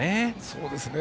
そうですね。